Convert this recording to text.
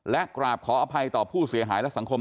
และกราบขออภัยต่อผู้เสียหายและสังคม